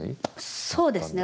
そうですね。